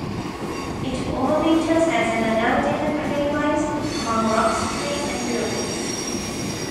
It overwinters as an adult in a crevice among rocks, trees, and buildings.